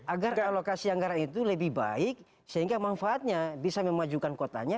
agar alokasi anggaran itu lebih baik sehingga manfaatnya bisa memajukan kotanya